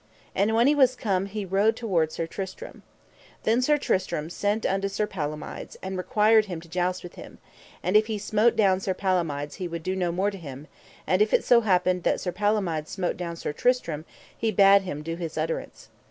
And when he was come he rode toward Sir Tristram. Then Sir Tristram sent unto Sir Palomides, and required him to joust with him; and if he smote down Sir Palomides he would do no more to him; and if it so happened that Sir Palomides smote down Sir Tristram, he bade him do his utterance.